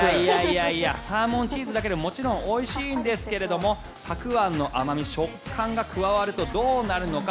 サーモンチーズだけでもおいしいんですがたくあんの甘味、食感が加わるとどうなるのか。